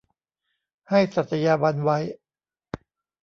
ให้สัตยาบันไว้